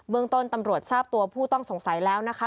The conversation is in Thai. เมืองต้นตำรวจทราบตัวผู้ต้องสงสัยแล้วนะคะ